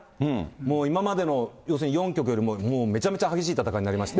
もう今までの要するに４局よりも、めちゃめちゃ激しい戦いになりまして。